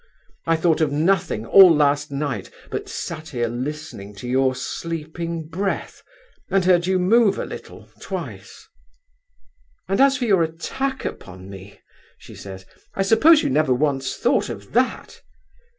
I thought of nothing all last night, but sat here listening to your sleeping breath, and heard you move a little, twice.' 'And as for your attack upon me,' she says, 'I suppose you never once thought of _that?